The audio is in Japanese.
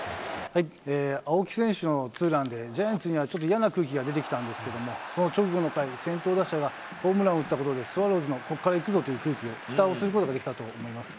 青木選手のツーランでジャイアンツにはちょっと嫌な空気が出てきたんですけれども、その直後の回で先頭打者がホームランを打ったことで、スワローズのここからいくぞという空気にふたをすることができたと思います。